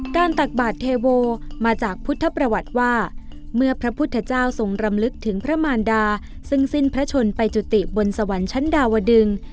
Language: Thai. ตักบาทเทโวมาจากพุทธประวัติว่าเมื่อพระพุทธเจ้าทรงรำลึกถึงพระมารดาซึ่งสิ้นพระชนไปจุติบนสวรรค์ชั้นดาวดึง